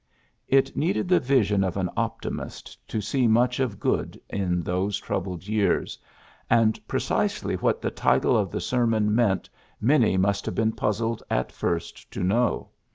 " It needed the vision of an optimist to see much of good in those troubled years, and precisely what the title of the ser mon meant many must have been puzzled at first to know.